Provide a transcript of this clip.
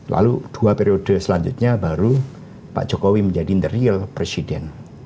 lalu dua periode selanjutnya baru pak jokowi menjadi the real presiden